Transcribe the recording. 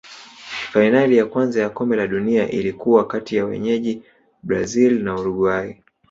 fainali ya kwanza ya kombe la dunia ilikuwa kati ya wenyeji brazil na uruguay